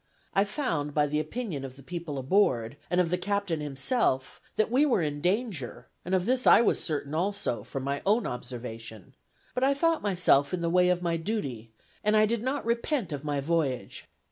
I found, by the opinion of the people aboard, and of the captain himself, that we were in danger, and of this I was certain also, from my own observation: but I thought myself in the way of my duty, and I did not repent of my voyage.